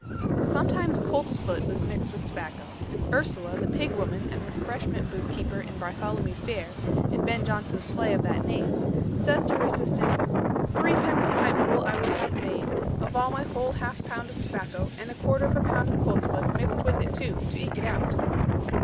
Sometimes coltsfoot was mixed with tobacco. Ursula, the pig woman and refreshment booth keeper in Bartholomew Fair, in Ben Jonson's play of that name, says to her assistant: "Threepence a pipe full I will have made, of all my whole half pound of tobacco and a quarter of a pound of coltsfoot mixt with it too to eke it out."